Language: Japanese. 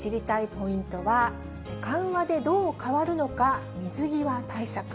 ポイントは、緩和でどう変わるのか、水際対策。